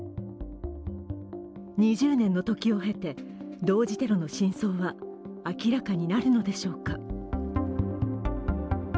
２０年の時を経て、同時テロの真相は明らかになるのでしょうか。